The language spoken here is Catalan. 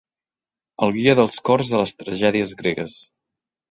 El guia dels cors a les tragèdies gregues.